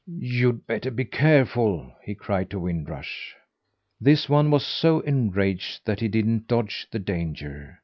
"You'd better be careful!" he cried to Wind Rush. This one too was so enraged that he didn't dodge the danger.